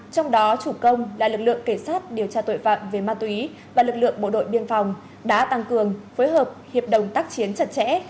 trong đó chủ công là lực lượng kể sát điều tra tội phạm về ma túy và lực lượng bộ đội biên phòng đã tăng cường phối hợp hiệp đồng tác chiến chặt chẽ